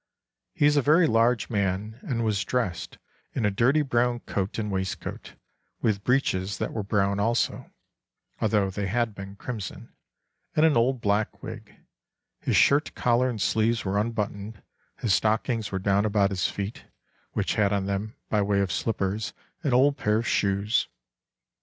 He is a very large man, and was dressed in a dirty brown coat and waistcoat, with breeches that were brown also (although they had been crimson), and an old black wig; his shirt collar and sleeves were unbuttoned; his stockings were down about his feet, which had on them, by way of slippers, an old pair of shoes....